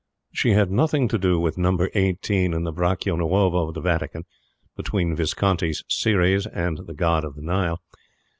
She had nothing to do with Number Eighteen in the Braccio Nuovo of the Vatican, between Visconti's Ceres and the God of the Nile.